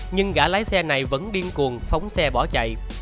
nhưng gã lái xe này vẫn điên cuồng phóng xe bỏ chạy